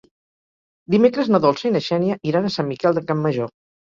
Dimecres na Dolça i na Xènia iran a Sant Miquel de Campmajor.